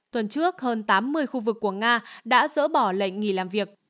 tuần trước hơn tám mươi khu vực của nga đã dỡ bỏ lệnh nghỉ làm việc